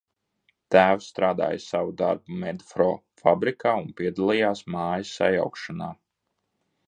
"Tēvs strādāja savu darbu "Medfro" fabrikā un piedalījās mājas sajaukšanā."